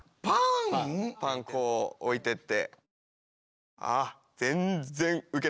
パンこう置いてって。